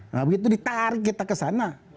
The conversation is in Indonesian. nah begitu ditarik kita ke sana